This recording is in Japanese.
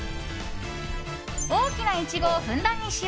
大きなイチゴをふんだんに使用。